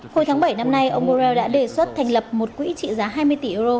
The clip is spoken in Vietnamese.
hồi tháng bảy năm nay ông borrell đã đề xuất thành lập một quỹ trị giá hai mươi tỷ euro